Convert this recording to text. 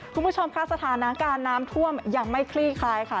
คุณผู้ชมค่ะสถานการณ์น้ำท่วมยังไม่คลี่คลายค่ะ